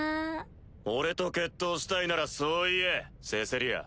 俺と決闘したいならそう言えセセリア。